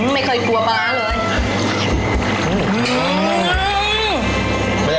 ไม่เคยกลัวป๊าเลย